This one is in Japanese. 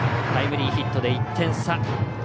タイムリーヒットで１点差。